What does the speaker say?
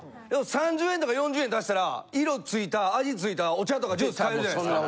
３０円とか４０円足したら色付いた味付いたお茶とかジュース買えるじゃないですか。